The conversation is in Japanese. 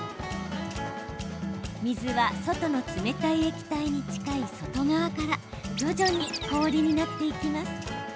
水は外の冷たい液体に近い外側から徐々に氷になっていきます。